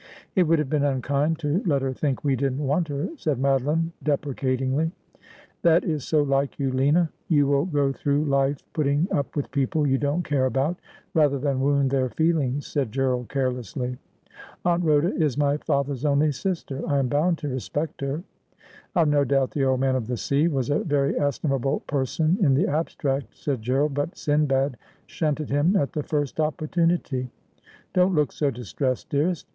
' It would have been unkind to let her think we didn't want her,' said Madoline deprecatingly. ' That is so like you, Lina ; you will go through life putting up with people you don't care about, rather than wound their feelings,' said Gerald carelessly. ' Aunt Rhoda is my father's only sister. I am bound to respect her.' ' I've no doubt the Old Man of the Sea was a very estimable person in the abstract,' said Gerald, ' but Sindbad shunted him at the first opportunity. Don't look so distressed, dearest.